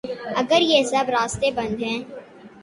اگریہ سب راستے بند ہیں۔